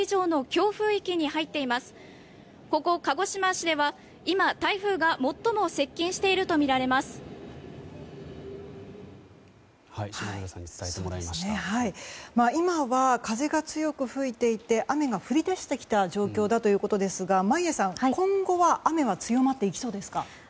今は風が強く吹いていて雨が降り出してきた状況だということですが眞家さん、今後は雨は強まっていきそうですか。